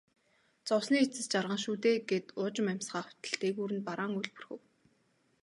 Зовсны эцэст жаргана шүү дээ гээд уужим амьсгаа автал дээгүүр нь бараан үүл бүрхэв.